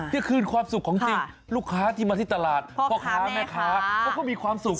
ที่คืนความสุขของจริงลูกค้าที่มาที่ตลาดพ่อค้าแม่ค้าเขาก็มีความสุข